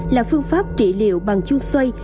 là phương pháp trị liệu bằng chuông xoay